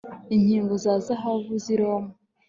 Inkinzo za zahabu zi Roma